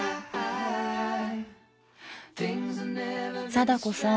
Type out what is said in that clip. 貞子さん